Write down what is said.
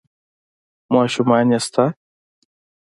ـ ماشومان يې شته؟